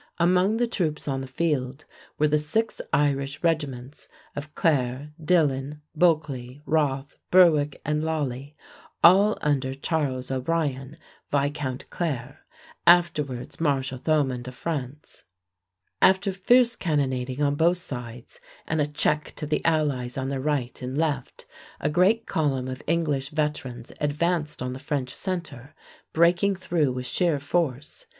Among the troops on the field were the six Irish regiments of Clare, Dillon, Bulkeley, Roth, Berwick, and Lally, all under Charles O'Brien, Viscount Clare, afterwards Marshal Thomond of France. After fierce cannonading on both sides and a check to the allies on their right and left, a great column of English veterans advanced on the French centre, breaking through with sheer force.